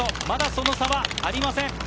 まだその差はありません。